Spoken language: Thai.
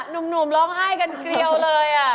หนุ่มร้องไห้กันเกลียวเลย